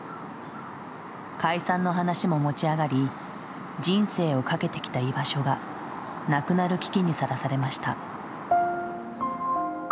解散の話も持ち上がり人生をかけてきた居場所がなくなる危機にさらされました。